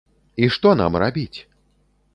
І што нам рабіць?